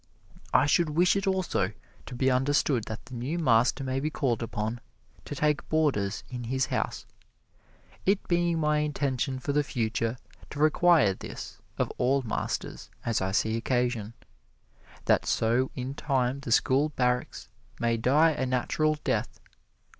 I should wish it also to be understood that the new master may be called upon to take boarders in his house, it being my intention for the future to require this of all masters as I see occasion, that so in time the school barracks may die a natural death.